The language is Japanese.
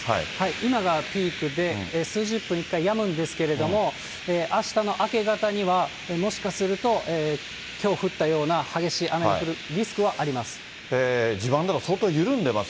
今がピークで、数十分で１回やむんですけれども、あしたの明け方にはもしかするときょう降ったような激しい雨が降地盤とか相当緩んでいます。